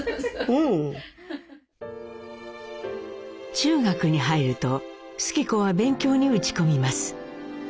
中学に入ると主基子は勉強に打ち込みます。